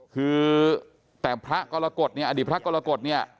คือแต่พระกรกฎเนี่ยอดีตพระกรกฎเนี่ย